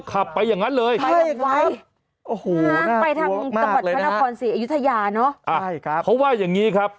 เขาว่าอย่างนี้ครับ